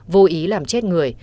vô ý làm chết người